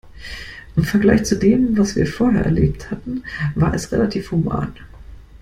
Im Vergleich zu dem, was wir vorher erlebt hatten, war es relativ human.